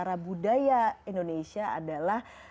bicara budaya indonesia adalah